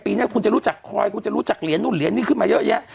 นี้คุณจะรู้จักคอยคุณจะรู้จักเหรียญนู่นเหรียญนี่ขึ้นมาเยอะแยะ